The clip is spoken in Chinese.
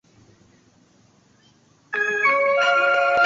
在建设当时成巽阁名为巽御殿。